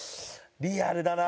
リアルだな。